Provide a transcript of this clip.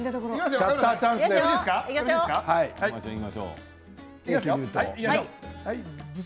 シャッターチャンスです。